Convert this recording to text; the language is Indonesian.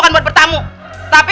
tanggung jawab lagi